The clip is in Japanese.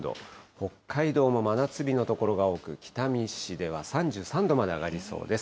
北海道も真夏日の所が多く、北見市では３３度まで上がりそうです。